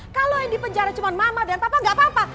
kalo yang di penjara cuma mama dan papa gak apa apa